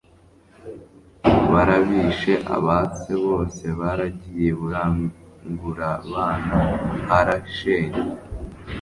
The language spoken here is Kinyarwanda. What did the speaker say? barabishe Abase bose baragiye Iburagurabana harashenywe